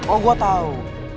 oh gue tau